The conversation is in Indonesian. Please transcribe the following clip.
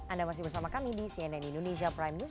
anda masih bersama kami di cnn indonesia prime news